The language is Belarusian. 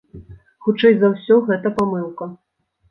Хутчэй за ўсё, гэта памылка.